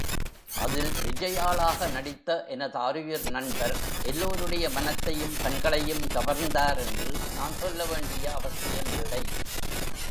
அதில் விஜயாளாக நடித்த எனதாருயிர் நண்பர் எல்லோருடைய மனத்தையும் கண்களையும் கவர்ந்தார் என்று நான் சொல்ல வேண்டிய அவசியமில்லை.